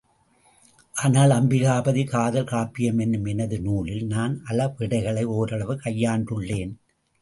ஆனால், அம்பிகாபதி காதல் காப்பியம் என்னும் எனது நூலில் நான் அளபெடைகளை ஓரளவு கையாண்டுள்ளேன்.